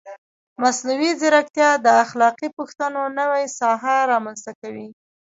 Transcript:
مصنوعي ځیرکتیا د اخلاقي پوښتنو نوې ساحه رامنځته کوي.